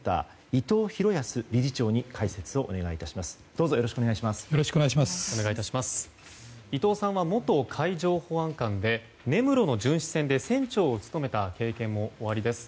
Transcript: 伊藤さんは元海上保安監で根室の巡視船で船長を務めた経験もおありです。